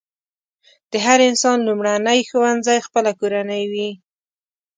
د هر انسان لومړنی ښوونځی خپله کورنۍ وي.